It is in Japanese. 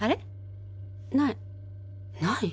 ないない？